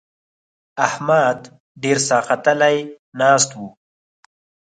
احمد ډېر ساختلی ناست وو.